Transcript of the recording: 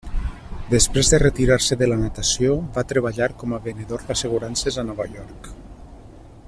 Després de retirar-se de la natació va treballar com a venedor d'assegurances a Nova York.